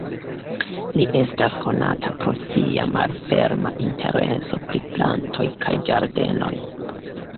Li estas konata pro sia malferma intereso pri plantoj kaj ĝardenoj.